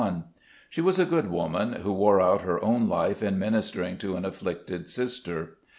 She was a good woman, who wore out her own life in minister ing to an afflicted sister.